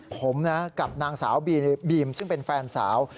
ผมนะกับนางสาวบีมซึ่งเป็นแฟนสาว